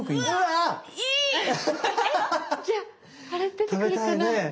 出てくるかな？